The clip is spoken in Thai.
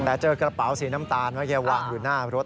แต่เจอกระเป๋าสีน้ำตาลว่าแกวางอยู่หน้ารถ